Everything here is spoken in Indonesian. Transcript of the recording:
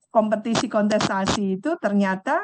kompetisi kontestasi itu ternyata